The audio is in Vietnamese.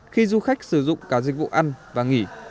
khi du khách sử dụng cả dịch vụ ăn và nghỉ